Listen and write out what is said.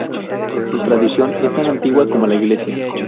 Su tradición es tan antigua como la Iglesia.